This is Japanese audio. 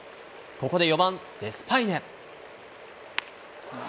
ここで４番デスパイネ。